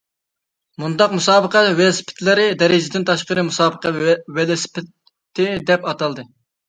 مۇنداق مۇسابىقە ۋېلىسىپىتلىرى دەرىجىدىن تاشقىرى مۇسابىقە ۋېلىسىپىتى دەپ ئاتالدى.